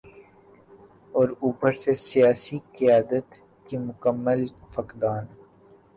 اوپر سے سیاسی قیادت کا مکمل فقدان۔